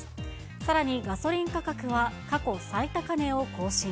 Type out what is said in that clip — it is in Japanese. さらにガソリン価格は過去最高値を更新。